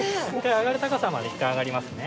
上がる高さまで１回上がりますね。